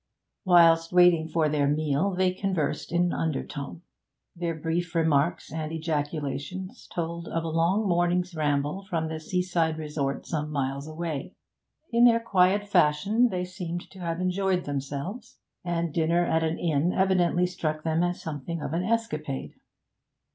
Whilst waiting for their meal they conversed in an undertone; their brief remarks and ejaculations told of a long morning's ramble from the seaside resort some miles away; in their quiet fashion they seemed to have enjoyed themselves, and dinner at an inn evidently struck them as something of an escapade.